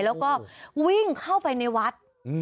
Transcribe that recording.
แล้วก็วิ่งเข้าไปในวัด